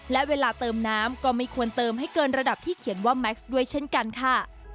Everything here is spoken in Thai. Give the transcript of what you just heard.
และเวลาเติมน้ำก็ไม่ควรเติมให้เกินระดับที่เขียนว่าแม็กซ์ด้วยเช่นกันค่ะ